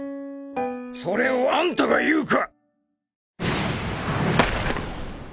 それをあんたが言うか。